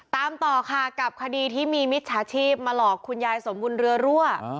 ตามต่อค่ะกับคดีที่มีมิจฉาชีพมาหลอกคุณยายสมบุญเรือรั่ว